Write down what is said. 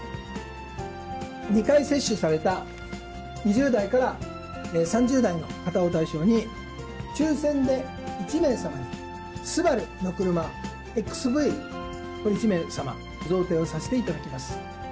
２回接種された２０代から３０代の方を対象に、抽せんで１名様に、スバルの車ＸＶを１名様、贈呈をさせていただきます。